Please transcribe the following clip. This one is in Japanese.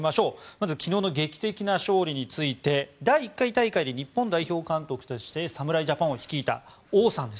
まず昨日の劇的な勝利について第１回大会で日本代表監督として侍ジャパンを率いた王さん。